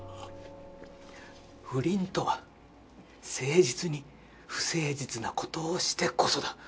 不倫とは誠実に不誠実なことをしてこそだ。